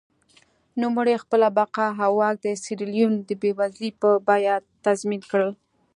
نوموړي خپله بقا او واک د سیریلیون د بېوزلۍ په بیه تضمین کړل.